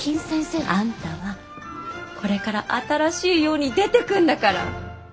あんたはこれから新しい世に出てくんだから！